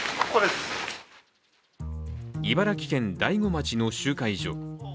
茨城県大子町の集会所。